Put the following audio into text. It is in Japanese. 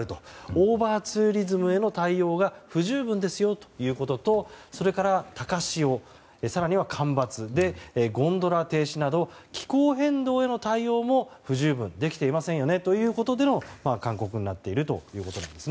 オーバーツーリズムへの対応が不十分ですよということとそれから高潮、干ばつでゴンドラ停止など気候変動への対応も不十分、できていませんよねということでの勧告になっているということです。